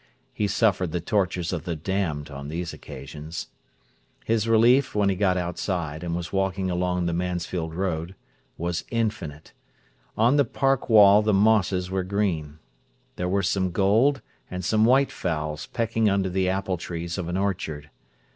He suffered the tortures of the damned on these occasions. His relief, when he got outside, and was walking along the Mansfield Road, was infinite. On the park wall the mosses were green. There were some gold and some white fowls pecking under the apple trees of an orchard.